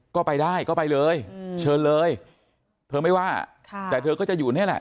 ก็ไปได้ก็ไปเลยเชิญเลยเธอไม่ว่าค่ะแต่เธอก็จะอยู่นี่แหละ